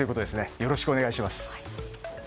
よろしくお願いします。